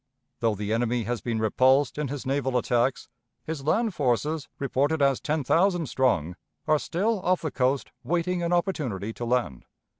Though the enemy has been repulsed in his naval attacks, his land forces, reported as ten thousand strong, are still off the coast waiting an opportunity to land.